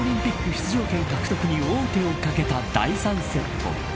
出場権獲得に王手をかけた第３セット。